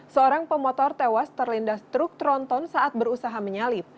seorang pemotor tewas terlindas truk tronton saat berusaha menyalip